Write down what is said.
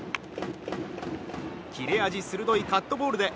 切れ味鋭いカットボールで